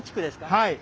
はい。